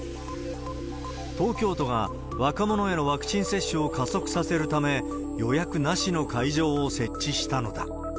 東京都が若者へのワクチン接種を加速させるため、予約なしの会場を設置したのだ。